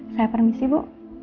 saya permisi bu